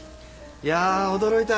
いやぁ驚いた。